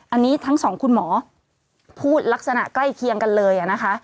อันนี้ทั้งสองคุณหมอพูดลักษณะใกล้เคียงกันเลยนะคะ